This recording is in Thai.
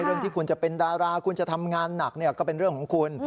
เรื่องที่คุณจะเป็นดาราคุณจะทำงานหนักก็เป็นเรื่องของคุณ